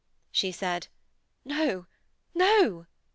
She said: 'No, no!'